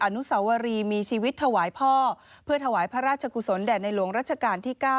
อนุสาวรีมีชีวิตถวายพ่อเพื่อถวายพระราชกุศลแด่ในหลวงรัชกาลที่๙